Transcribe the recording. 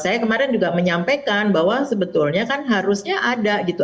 saya kemarin juga menyampaikan bahwa sebetulnya kan harus terhubung dengan pengunjung